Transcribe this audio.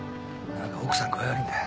何か奥さん具合悪いんだ。